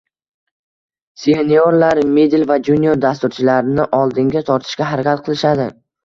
Seniorlar middle va junior dasturchilarni oldinga tortishga harakat qilishadi